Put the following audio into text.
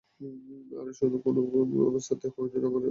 আর শুনো, যে কোন অবস্থাতেই কোহিনূর আমার চাই, চাই!